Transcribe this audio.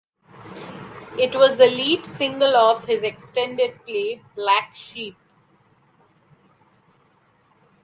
It was the lead single off his extended play "Black Sheep".